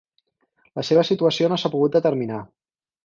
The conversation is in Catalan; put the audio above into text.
La seva situació no s'ha pogut determinar.